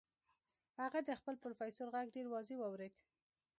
هغه د خپل پروفيسور غږ ډېر واضح واورېد.